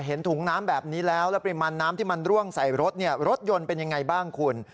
เห็นถุงน้ำแบบนี้แล้วแล้วปริมาณน้ำที่มันร่วงใส่รถเนี่ยรถยนต์เป็นยังไงบ้างคุณ